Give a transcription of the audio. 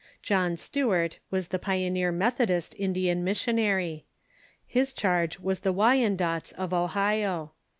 John Stewart was the pioneer Methodist Indian missionary. His charge was the Wyandottes of Ohio.